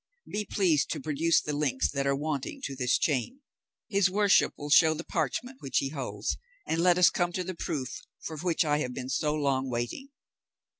Be pleased to produce the links that are wanting to this chain; his worship will show the parchment which he holds, and let us come to the proof for which I have been so long waiting."